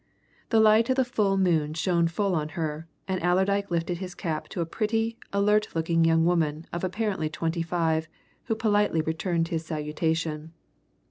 The light of the full moon shone full on her, and Allerdyke lifted his cap to a pretty, alert looking young woman of apparently twenty five, who politely returned his salutation.